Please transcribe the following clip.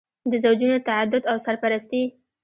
د زوجونو تعدد او سرپرستي.